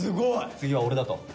「次は俺だ」と。